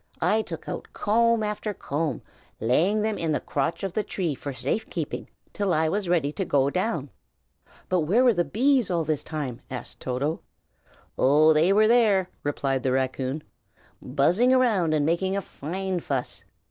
I took out comb after comb, laying them in the crotch of the tree for safe keeping till I was ready to go down." "But where were the bees all the time?" asked Toto. "Oh, they were there!" replied the raccoon, "buzzing about and making a fine fuss.